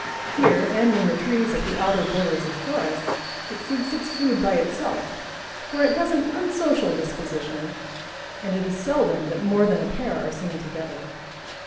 Here and in the trees at the outer borders of forests it seeks its food by itself, for it has an unsocial disposition, and it is seldom that more than a pair are seen together.